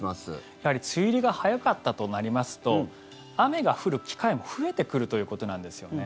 やはり梅雨入りが早かったとなりますと雨が降る機会も増えてくるということなんですよね。